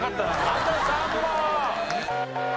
あと３問！